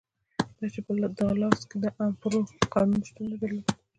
دا چې په دالاس کې د امپارو قانون شتون نه درلود.